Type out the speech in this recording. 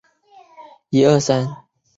其官方网站也于当日上线。